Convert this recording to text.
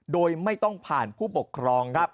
โดยไม่ต้องผ่านผู้ปกครองครับ